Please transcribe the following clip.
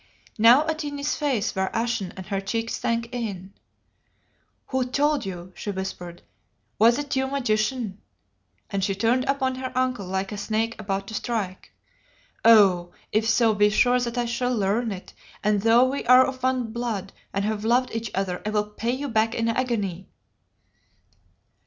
Now Atene's face went ashen and her cheeks sank in. "Who told you?" she whispered. "Was it you, Magician?" and she turned upon her uncle like a snake about to strike. "Oh! if so, be sure that I shall learn it, and though we are of one blood and have loved each other, I will pay you back in agony."